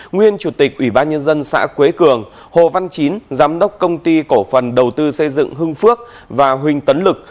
nguyên chủ tịch ubnd xã quế cường hồ văn chín giám đốc công ty cổ phần đầu tư xây dựng hưng phước và huynh tấn lực